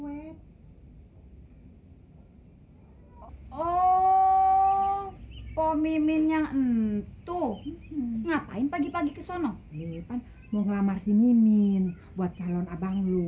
hai oh oh mimin yang tuh ngapain pagi pagi ke sono mimpi penggambar si mimin buat calon abang